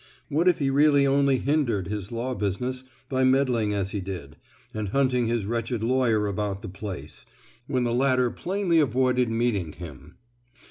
What if he really only hindered his law business by meddling as he did, and hunting his wretched lawyer about the place, when the latter plainly avoided meeting him?